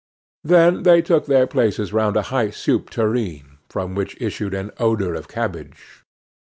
Then they took their places round a high soup tureen, from which issued an odor of cabbage.